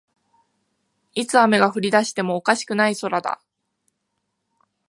いつ雨が降りだしてもおかしくない空だ